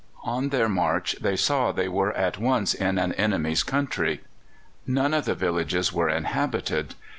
On their march they saw they were at once in an enemy's country. None of the villages were inhabited.